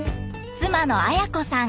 妻の綾子さん。